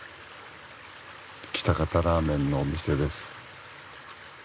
喜多方ラーメンのお店です。